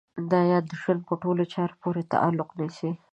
دا ايت د ژوند په ټولو چارو پورې تعلق نيسي.